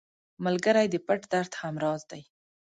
ملګری د پټ درد هم راز دی